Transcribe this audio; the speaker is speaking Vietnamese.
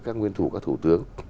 các nguyên thủ các thủ tướng